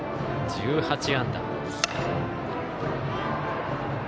１８安打。